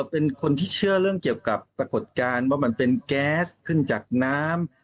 เป็นคนที่เชื่อเรื่องเกี่ยวกับปรากฏการณ์ว่ามันเป็นแก๊สขึ้นจากน้ำ